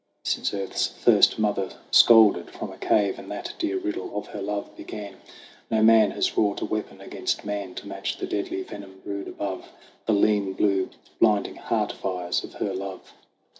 Since Earth's first mother scolded from a cave And that dear riddle of her love began, No man has wrought a weapon against man To match the deadly venom brewed above The lean, blue, blinding heart fires of her love.